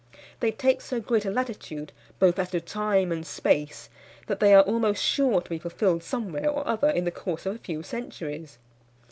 They take so great a latitude, both as to time and space, that they are almost sure to be fulfilled somewhere or other in the course of a few centuries.